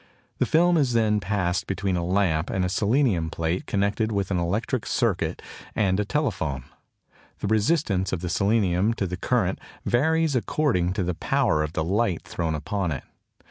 The film is then passed between a lamp and a selenium plate connected with an electric circuit and a telephone. The resistance of the selenium to the current varies according to the power of the light thrown upon it.